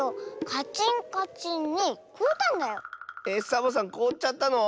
サボさんこおっちゃったの？